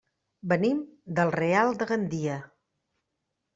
Venim del Real de Gandia.